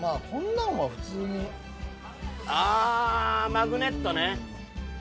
マグネットね！